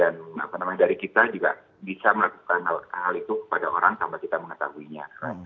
apa namanya dari kita juga bisa melakukan hal itu kepada orang tanpa kita mengetahuinya